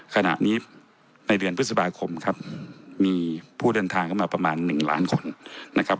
ขณะนี้ในเดือนพฤษภาคมครับมีผู้เดินทางเข้ามาประมาณ๑ล้านคนนะครับ